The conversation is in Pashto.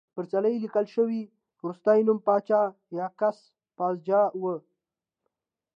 پر څلي لیکل شوی وروستی نوم پاچا یاکس پاساج و